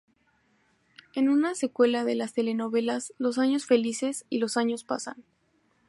Es una secuela de las telenovelas "Los años felices" y "Los años pasan".